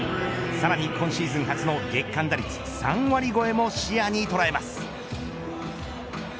さらに今シーズン初の月間打率３割超えも視野に捉えます。